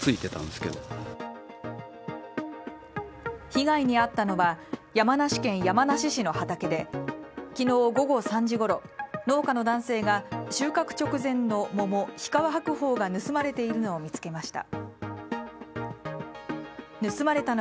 被害に遭ったのは山梨県山梨市の畑で昨日午後３時ごろ、農家の男性が収穫直前の桃、日川白鳳が盗まれているのを見つけました。